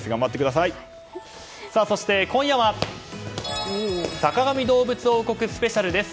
そして、今夜は「坂上どうぶつ王国ＳＰ」です。